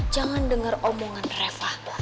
jangan dengar omongan reva